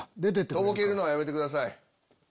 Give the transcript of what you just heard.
とぼけるのはやめてください。